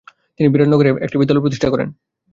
তিনি বরানগরে একটি বিদ্যালয় প্রতিষ্ঠা করেন।